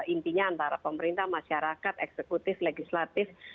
intinya antara pemerintah masyarakat eksekutif legislatif